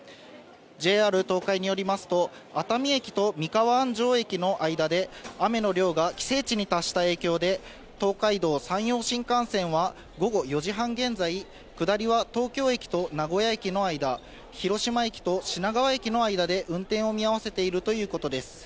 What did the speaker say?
ＪＲ東海によりますと、熱海駅と三河安城駅の間で、雨の量が規制値に達した影響で、東海道・山陽新幹線は午後４時半現在、下りは東京駅と名古屋駅の間、広島駅と品川駅の間で運転を見合わせているということです。